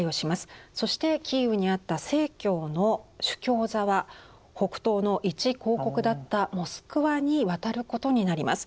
そしてキーウにあった正教の主教座は北東の一公国だったモスクワに渡ることになります。